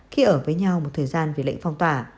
khi ở với nhau một thời gian về lệnh phong tỏa